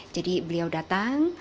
jadi beliau datang